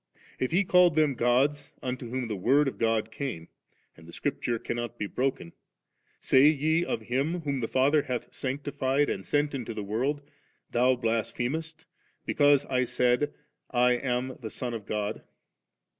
If he called them gods unto whom Uie Word of God came, and the Scripture cannot be broken, say ye of Him, whom the Father hath sanctified and sent into the world, Thou blasphemest, because I said, I am the Son of God?